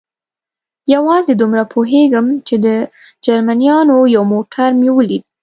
یوازې دومره پوهېږم، چې د جرمنیانو یو موټر مې ولید.